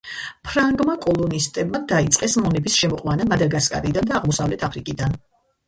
ფრანგმა კოლონისტებმა დაიწყეს მონების შემოყვანა მადაგასკარიდან და აღმოსავლეთ აფრიკიდან.